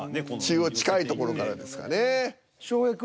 中央近い所からですかね。